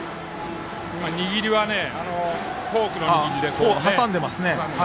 握りはフォークの握りで挟んでいます。